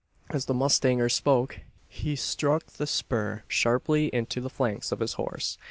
As the mustanger spoke, he struck the spur sharply into the flanks of his horse.